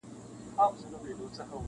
چي غمی یې وړﺉ نه را معلومېږي.